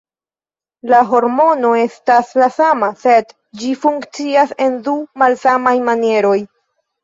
La hormono estas la sama, sed ĝi funkcias en du malsamaj manieroj.